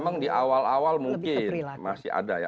memang di awal awal mungkin masih ada ya